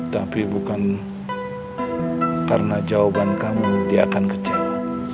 tapi bukan karena jawaban kamu dia akan kecewa